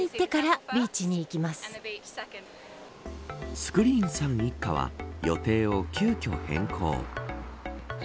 スクリーンさん一家は予定を急きょ変更。